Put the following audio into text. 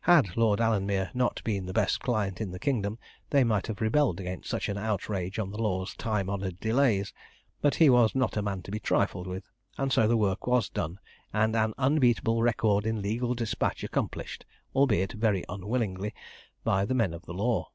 Had Lord Alanmere not been the best client in the kingdom, they might have rebelled against such an outrage on the law's time honoured delays; but he was not a man to be trifled with, and so the work was done and an unbeatable record in legal despatch accomplished, albeit very unwillingly, by the men of law.